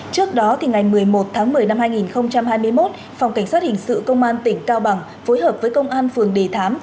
trước đó ngày một mươi một tháng một mươi năm hai nghìn hai mươi một phòng cảnh sát hình sự công an tỉnh cao bằng phối hợp với công an phường đề thám